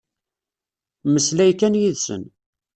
Mmeslay kan yid-sen.